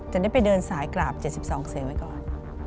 จะได้ไปเดินสายกราบ๗๒เสียงไว้ก่อน